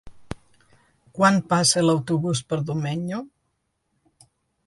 Quan passa l'autobús per Domenyo?